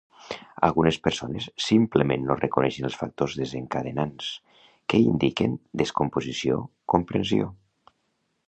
Algunes persones simplement no reconeixen els factors desencadenants que indiquen descomposició comprensió.